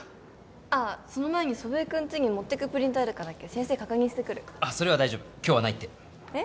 その前に祖父江君ちに持ってくプリントあるかだけ先生に確認してくるそれは大丈夫今日はないってえっ？